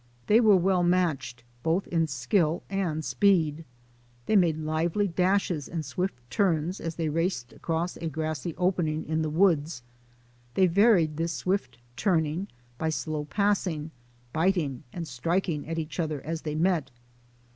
They were well matched, both in skill and speed. They made lively dashes and swift turns as they raced across a grassy opening in the woods. They varied this swift turning by slow passing, biting, and striking at each other as they met.